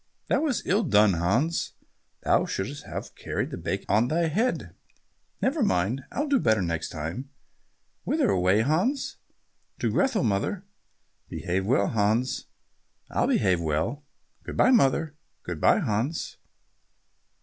"That was ill done, Hans, thou shouldst have carried the bacon on thy head." "Never mind, will do better next time." "Whither away, Hans?" "To Grethel, mother." "Behave well, Hans." "I'll behave well. Good bye, mother." "Good bye, Hans."